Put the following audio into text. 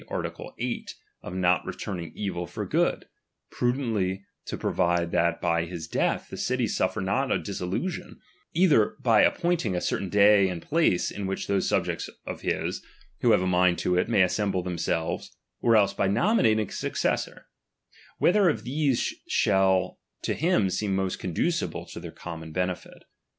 art. 8, of not returning ^^"^'il for good, prudently to provide that by his •i «ath the city suffer not a dissolution ; either *^^ 'y appointing a certain day and place, in which t ~fcose subjects of his, who have a mind to it, *^*^ay assemble themselves, or else by nominating a ^^■Ticcessor ; whether of these shall to him seem ■3ost conducible to their common benefit.